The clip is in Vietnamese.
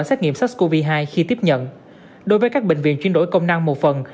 xét nghiệm sars cov hai khi tiếp nhận đối với các bệnh viện chuyển đổi công năng một phần